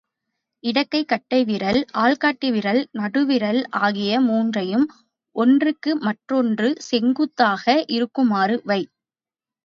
இடக்கைக் கட்டைவிரல், ஆள்காட்டி விரல், நடுவிரல் ஆகிய மூன்றையும் ஒன்றுக்கு மற்றொன்று செங்குத்தாக இருக்குமாறு வை.